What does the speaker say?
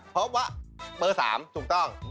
เพราะว่าเบอร์๓ถูกต้อง